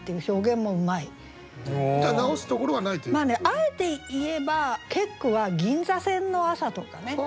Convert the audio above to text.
あえて言えば結句は「銀座線の朝」とかね。